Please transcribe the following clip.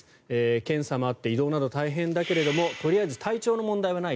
検査もあって移動など大変だけれどもとりあえず体調の問題はない。